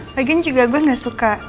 lagi juga gue gak suka